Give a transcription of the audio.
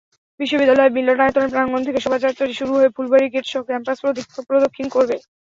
বিশ্ববিদ্যালয় মিলনায়তন প্রাঙ্গণ থেকে শোভাযাত্রাটি শুরু হয়ে ফুলবাড়ী গেটসহ ক্যাম্পাস প্রদক্ষিণ করবে।